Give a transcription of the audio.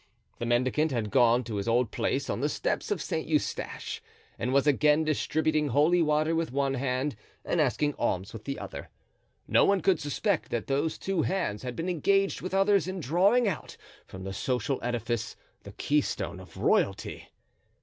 The mendicant had gone to his old place on the steps of Saint Eustache and was again distributing holy water with one hand and asking alms with the other. No one could suspect that those two hands had been engaged with others in drawing out from the social edifice the keystone of royalty.